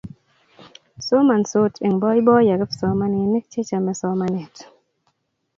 somansot eng' boiboiyo kipsomaninik che chomei somanet